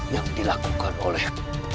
yang dilakukan oleh